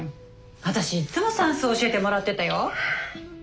私いっつも算数教えてもらってたよ。